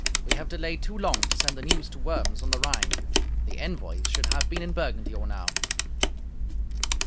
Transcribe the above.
We have delayed too long to send the news to Worms on the Rhine. The envoys should have been in Burgundy or now."